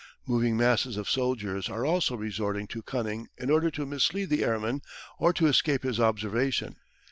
Moving masses of soldiers are also resorting to cunning in order to mislead the airman or to escape his observation.